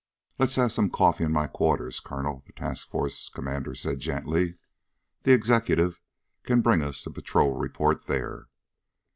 "Let's have some coffee in my quarters, Colonel," the task force commander said gently. "The executive can bring us the patrol report there."